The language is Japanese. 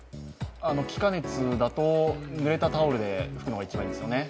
気化熱だと、ぬれたタオルでふくのが一番いいんですよね。